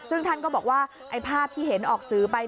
ซึ่งท่านก็บอกว่าไอ้ภาพที่เห็นออกสื่อไป